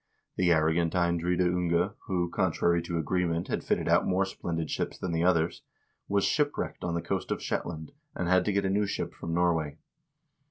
The arrogant Eindride Unge, who, contrary to agreement, had fitted out more splendid ships than the others, was shipwrecked on the coast of Shetland, and had to get a new ship from Norway.